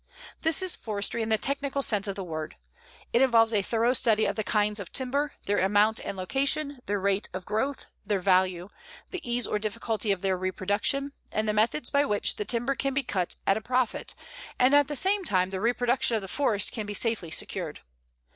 This is forestry in the technical sense of the word. It involves a thorough study of the kinds of timber, their amount and location, their rate of growth, their value, the ease or difficulty of their reproduction, and the methods by which the timber can be cut at a profit and at the same time the reproduction of the forest can be safely secured.